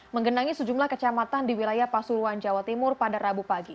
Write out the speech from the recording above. menggenangi sejumlah kecamatan di wilayah pasuruan jawa timur pada rabu pagi